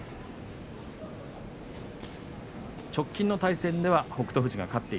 直近の対戦では北勝